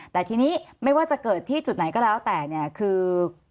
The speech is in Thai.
แต่ทีนี้ไม่ว่าจะเกิดที่จุดไหนก็แล้วแต่เนี่ยคือ